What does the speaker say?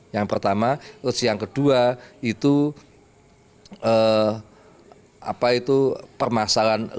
yang pertama yang kedua itu permasalahan lingkungan